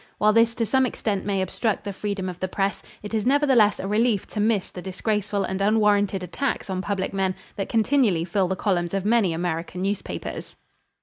While this to some extent may obstruct the freedom of the press, it is nevertheless a relief to miss the disgraceful and unwarranted attacks on public men that continually fill the columns of many American newspapers.